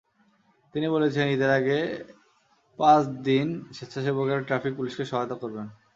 তিনি বলেছেন, ঈদের আগে পাঁচ দিন স্বেচ্ছাসেবকেরা ট্রাফিক পুলিশকে সহায়তা করবেন।